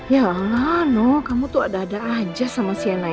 ya nona kamu tuh ada ada aja sama sienna ini